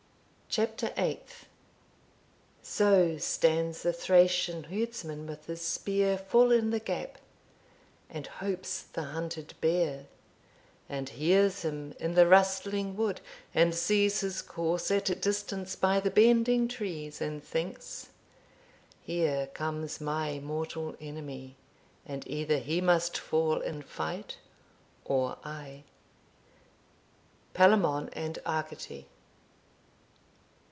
CHAPTER EIGHTH. So stands the Thracian herdsman with his spear Full in the gap, and hopes the hunted bear; And hears him in the rustling wood, and sees His course at distance by the bending trees, And thinks Here comes my mortal enemy, And either he must fall in fight, or I. Palamon and Arcite.